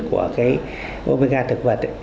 của omega thực vật